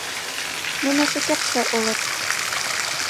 Нуно шукертсе улыт.